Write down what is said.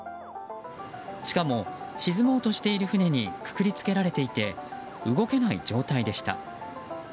しかも沈もうとしている船にくくりつけられていて動けない状態でした。